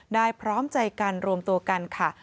พร้อมใจกันรวมตัวกันค่ะ